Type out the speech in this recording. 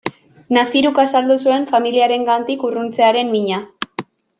Naziruk azaldu zuen familiarengandik urruntzearen mina.